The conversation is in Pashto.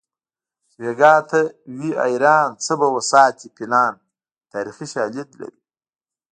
چې بیګا ته وي حیران څه به وساتي فیلان تاریخي شالید لري